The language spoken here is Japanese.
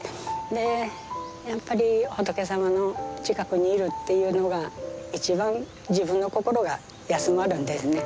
でやっぱり仏様の近くにいるっていうのが一番自分の心が休まるんですね。